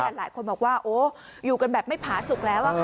หลายคนบอกว่าอยู่กันแบบไม่ผาสุขแล้ว